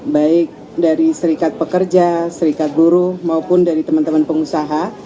baik dari serikat pekerja serikat buruh maupun dari teman teman pengusaha